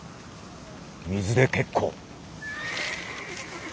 水で結構。